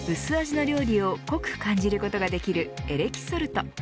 薄味の料理を濃く感じることができるエレキソルト。